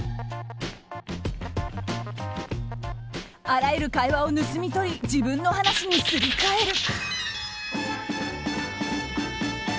あらゆる会話を盗み取り自分の話にすり替える。